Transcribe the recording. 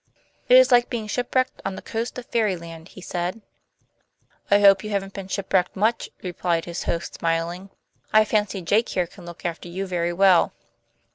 "It is like being shipwrecked on the coast of fairyland," he said, "I hope you haven't been shipwrecked much," replied his host, smiling. "I fancy Jake here can look after you very well."